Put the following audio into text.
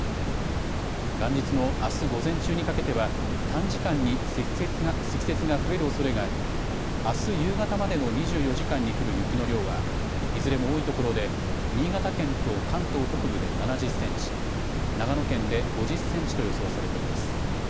元日のあす午前中にかけては短時間に積雪が増えるおそれがありあす夕方までの２４時間に降る雪の量はいずれも多い所で新潟県と関東北部で７０センチ長野県で５０センチと予想されています。